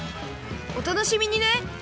おたのしみにね！